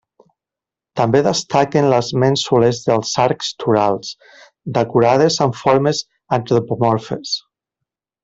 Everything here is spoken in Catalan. També destaquen les mènsules dels arcs torals, decorades amb formes antropomorfes.